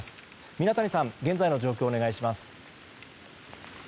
皆谷さん、現在の状況をお願いします。